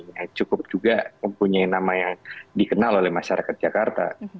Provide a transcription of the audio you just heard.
yang cukup juga mempunyai nama yang dikenal oleh masyarakat jakarta